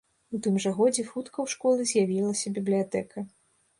У тым жа годзе хутка ў школы з'явілася бібліятэка.